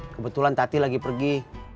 kebetulan tati lagi pergi